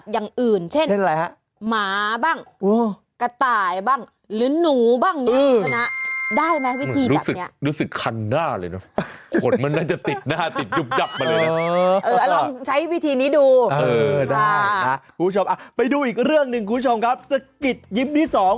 อย่าคุยเรื่องเงิน